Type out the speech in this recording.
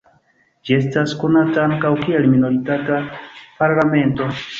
Ĝi estas konata ankaŭ kiel minoritata parlamento.